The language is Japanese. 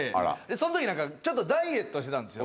そのときなんか、ちょっとダイエットしてたんですよ。